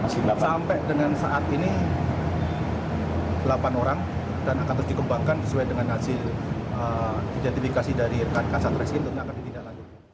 sampai dengan saat ini delapan orang dan akan terkembangkan sesuai dengan hasil identifikasi dari rekankan satreskint